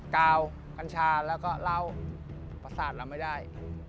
กาวกัญชาแล้วก็เหล้าประสาทเราไม่ได้